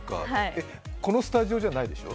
このスタジオじゃないでしょ？